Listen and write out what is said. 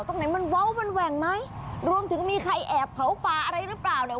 ตรงไหนมันเว้ามันแหว่งไหมรวมถึงมีใครแอบเผาป่าอะไรหรือเปล่าเนี่ย